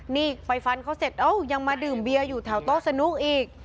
นี่ไปฟันเขาเสร็จเอ้ายังมาดื่มเบียร์อยู่แถวโต๊ะสนุกอีก